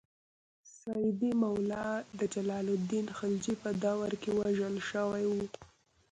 سیدي مولا د جلال الدین خلجي په دور کې وژل شوی و.